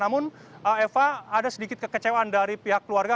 namun eva ada sedikit kekecewaan dari pihak keluarga